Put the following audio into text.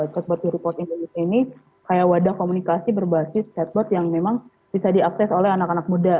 chatbot di report indonesia ini kayak wadah komunikasi berbasis catboard yang memang bisa diakses oleh anak anak muda